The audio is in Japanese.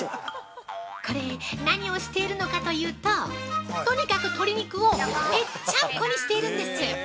◆これ何をしているのかというととにかく鶏肉をぺっちゃんこにしているんです。